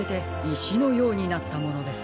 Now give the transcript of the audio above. いしのようになったものです。